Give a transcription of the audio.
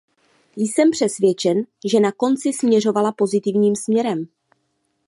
Jsem přesvědčen, že na konci směřovala pozitivním směrem.